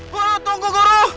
guru guru tunggu guru